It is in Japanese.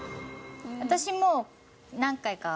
私もう何回か